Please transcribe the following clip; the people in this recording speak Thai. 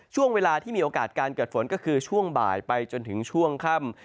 ช่วงเวลาที่มีโอกาสการเกิดฝนก็คือช่วงบ่ายไปจนถึงช่วงค่ำ